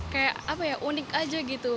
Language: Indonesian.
kayak apa ya unik aja gitu